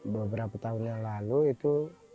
beberapa tahun yang lalu itu